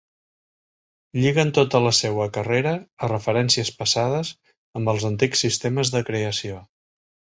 Lliguen tota la seua carrera a referències passades amb els antics sistemes de creació.